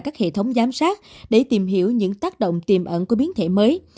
các hệ thống giám sát để tìm hiểu những tác động tiềm ẩn của biến thể mới